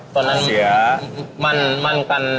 ตอนนั้นมั่นกัน